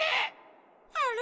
あれ？